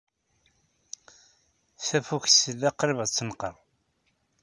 Tafukt tella qrib ad d-tenqer.